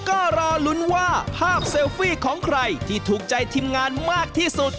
ก็รอลุ้นว่าภาพเซลฟี่ของใครที่ถูกใจทีมงานมากที่สุด